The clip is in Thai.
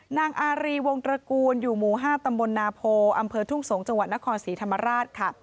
นางอารีวงตระกูลอยู่หมู่๕ตำบลนาโพอำเภอทุ่งสงศ์จังหวัดนครศรีธรรมราชค่ะ